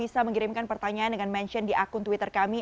sehat selalu dok